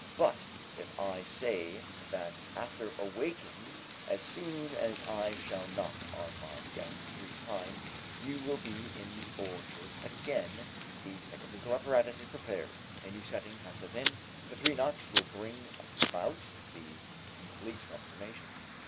But if I say that after awaking as soon as I shall knock on my desk three times, you will be in the orchard again, the psychophysical apparatus is prepared, a new setting has set in, the three knocks will bring about the complete transformation.